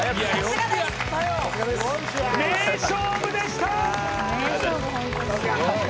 名勝負でした！